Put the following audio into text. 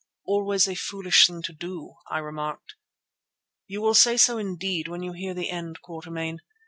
"Always a foolish thing to do," I remarked. "You will say so indeed when you hear the end, Quatermain.